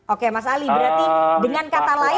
oke mas ali berarti dengan kata lain